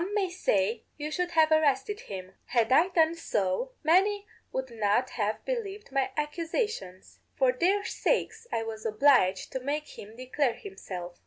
_Some may say, 'You should have arrested him.' Had I done so, many would not have believed my accusations. For their sakes I was obliged to make him declare himself.